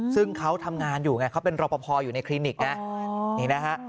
ซึ่งเขาทำงานอยู่ไงเขาเป็นรพพออยู่ในคลีนิกนะ